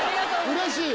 うれしい！